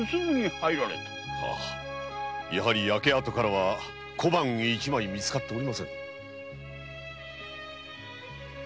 やはり焼け跡からは小判一枚みつかっておりません。